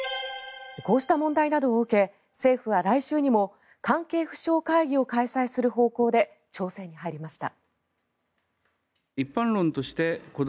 こうした問題などを受け政府は来週にも関係府省会議を開催する方向で調整に入りました。